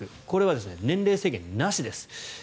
これは年齢制限なしです。